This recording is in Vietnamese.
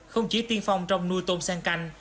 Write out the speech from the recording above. không chỉ tiên phong trong nuôi tôm sang canh